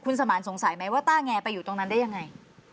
สมานสงสัยไหมว่าต้าแงไปอยู่ตรงนั้นได้ยังไง